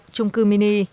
trung cư mini